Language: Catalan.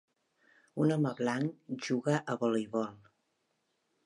Un home blanc juga a voleibol.